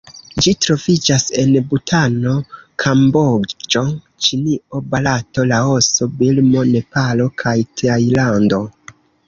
Ĝi troviĝas en Butano, Kamboĝo, Ĉinio, Barato, Laoso, Birmo, Nepalo, kaj Tajlando.